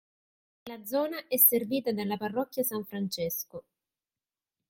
La zona è servita dalla parrocchia San Francesco.